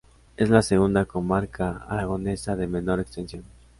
Es la segunda comarca aragonesa de menor extensión.